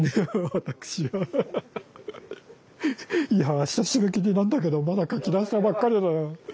いや明日締め切りなんだけどまだ書き出したばっかりだよ。